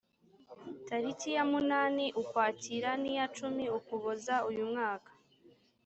taliki ya munani ukwakira n’iya cumi ukuboza uyu mwaka